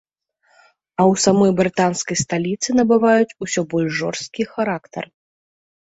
А ў самой брытанскай сталіцы набываюць усё больш жорсткі характар.